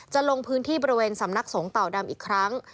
ลงพื้นที่บริเวณสำนักสงฆ์เต่าดำอีกครั้ง